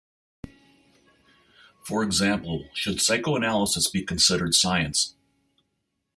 For example, should psychoanalysis be considered science?